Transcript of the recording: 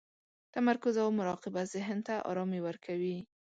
تمرکز او مراقبه ذهن ته ارامي ورکوي.